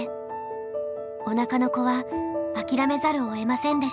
おなかの子は諦めざるをえませんでした。